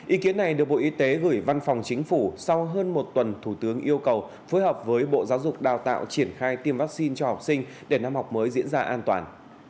ý kiến này được bộ y tế gửi văn phòng chính phủ sau hơn một tuần thủ tướng yêu cầu phối hợp với bộ giáo dục đào tạo triển khai tiêm vaccine cho học sinh để năm học mới diễn ra an toàn